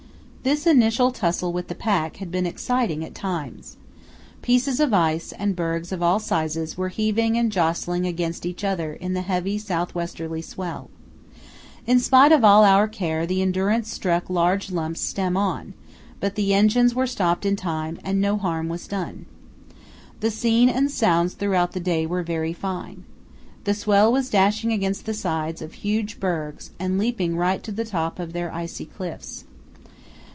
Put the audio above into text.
This initial tussle with the pack had been exciting at times. Pieces of ice and bergs of all sizes were heaving and jostling against each other in the heavy south westerly swell. In spite of all our care the Endurance struck large lumps stem on, but the engines were stopped in time and no harm was done. The scene and sounds throughout the day were very fine. The swell was dashing against the sides of huge bergs and leaping right to the top of their icy cliffs.